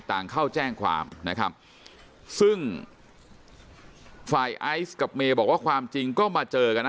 เข้าแจ้งความนะครับซึ่งฝ่ายไอซ์กับเมย์บอกว่าความจริงก็มาเจอกันนะ